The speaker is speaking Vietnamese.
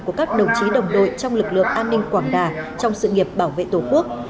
của các đồng chí đồng đội trong lực lượng an ninh quảng đà trong sự nghiệp bảo vệ tổ quốc